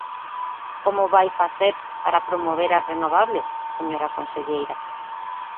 ¿Como vai facer para promover as renovables, señora conselleira?